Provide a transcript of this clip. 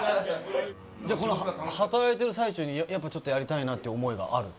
じゃあこの働いてる最中にやっぱちょっとやりたいなという思いがあると？